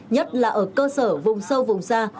nhất là ở cơ sở vùng sâu vùng xa